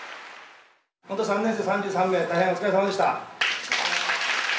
本当３年生３３名大変お疲れさまでした。